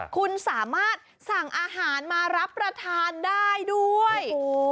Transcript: คุณสามารถสั่งอาหารมารับประทานได้ด้วย